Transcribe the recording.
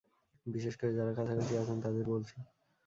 বিশেষ করে যারা কাছাকাছি আছেন, তাদের বলছি।